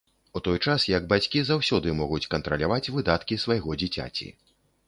У той час як бацькі заўсёды могуць кантраляваць выдаткі свайго дзіцяці.